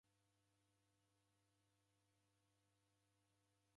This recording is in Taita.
W'ew'eni ndew'imanyire.